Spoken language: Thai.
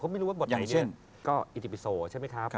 เขาไม่รู้ว่าหมดไหนเนี่ยก็อิทธิปิโซใช่ไหมครับ